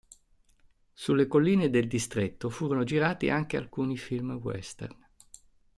Sulle colline del distretto furono girati anche alcuni film western.